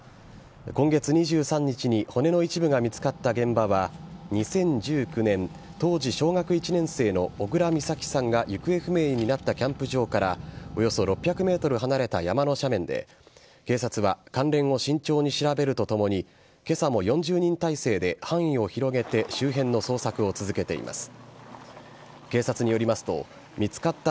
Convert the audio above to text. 今月２３日に骨の一部が見つかった現場は２０１９年、当時小学１年生の小倉美咲さんが行方不明になったキャンプ場からおよそ６００ｍ離れた山の斜面で警察は関連を慎重に調べるとともに今朝も４０人態勢で範囲を広げて周辺の捜索を続けています。